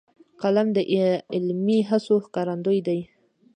قلم د علمي هڅو ښکارندوی دی